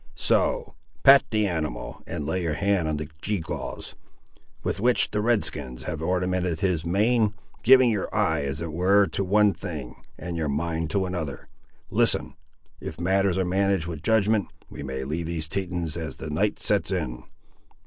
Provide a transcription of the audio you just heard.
So; pat the animal and lay your hand on the gewgaws, with which the Red skins have ornamented his mane, giving your eye as it were to one thing, and your mind to another. Listen; if matters are managed with judgment, we may leave these Tetons as the night sets in."